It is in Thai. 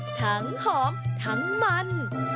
ทั้งหอมทั้งมัน